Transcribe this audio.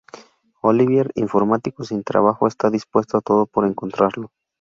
Olivier, informático sin trabajo, está dispuesto a todo por encontrarlo.